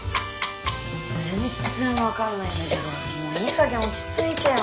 全然分かんないんだけどもういいかげん落ち着いてよ。